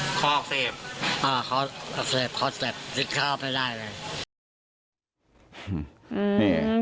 อ่าคออักเสบคอเจ็บทิ้งข้าวไม่ได้เลย